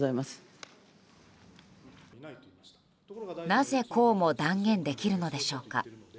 なぜ、こうも断言できるのでしょうか。